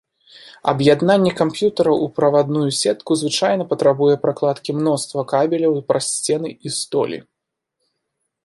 Аб'яднанне камп'ютараў у правадную сетку звычайна патрабуе пракладкі мноства кабеляў праз сцены і столі.